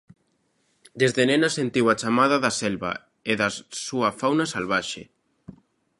Desde nena sentiu a chamada da selva e da súa fauna salvaxe.